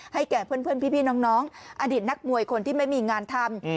ให้แก่เพื่อนเพื่อนพี่พี่น้องน้องอดีตนักมวยคนที่ไม่มีงานทำ